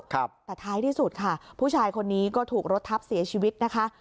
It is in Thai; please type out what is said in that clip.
ครับแต่ท้ายที่สุดค่ะผู้ชายคนนี้ก็ถูกรถทับเสียชีวิตนะคะ